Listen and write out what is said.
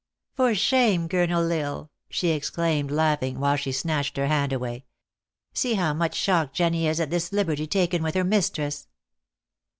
" For shame, Colonel L Isle !" she exclaimed, laugh ing, while she snatched her hand away. "See how much shocked Jenny is at this liberty taken with her mistress!"